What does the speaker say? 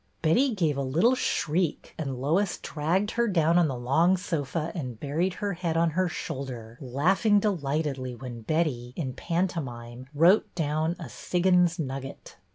Betty gave a little shriek, and Lois dragged her down on the long sofa and buried her head on her shoulder, laughing delightedly when Betty, in pantomime, wrote down a Siggins Nugget."